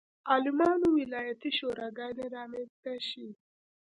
عالمانو ولایتي شوراګانې رامنځته شي.